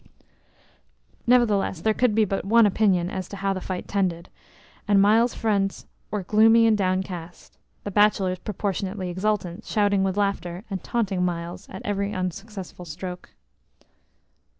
Nevertheless, there could be but one opinion as to how the fight tended, and Myles's friends were gloomy and downcast; the bachelors proportionately exultant, shouting with laughter, and taunting Myles at every unsuccessful stroke.